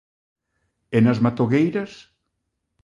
E nas matogueiras?